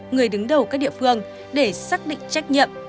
người đứng đầu các địa phương để xác định trách nhiệm